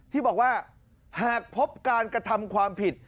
ที่บอกว่าหากพบการกระทำความผิด